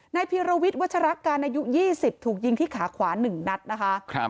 พีรวิทย์วัชรการอายุ๒๐ถูกยิงที่ขาขวา๑นัดนะคะ